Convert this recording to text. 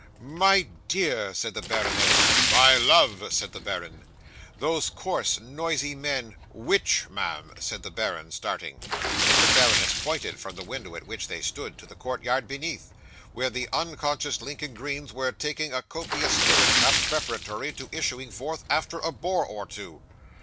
'"My dear," said the baroness. '"My love," said the baron. '"Those coarse, noisy men " '"Which, ma'am?" said the baron, starting. 'The baroness pointed, from the window at which they stood, to the courtyard beneath, where the unconscious Lincoln greens were taking a copious stirrup cup, preparatory to issuing forth after a boar or two.